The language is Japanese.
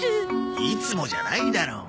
いつもじゃないだろ。